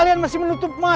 hei manusia kau mencari apa